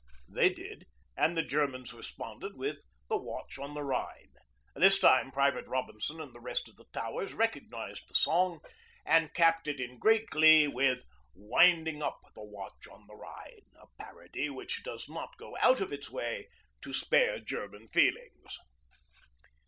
They did, and the Germans responded with 'The Watch on the Rhine.' This time Private Robinson and the rest of the Towers recognised the song and capped it in great glee with 'Winding up the Watch on the Rhine,' a parody which does not go out of its way to spare German feelings.